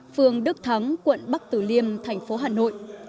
phường đức thắng quận bắc tử liêm thành phố hà nội